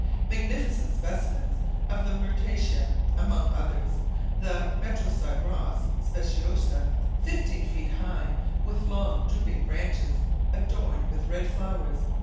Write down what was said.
Magnificent specimens of the MYRTACEA, among others, the metroside ros speciosa, fifteen feet high, with long drooping branches, adorned with red flowers.